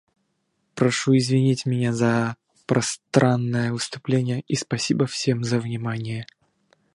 Прошу извинить меня за пространное выступление и спасибо всем вам за внимание.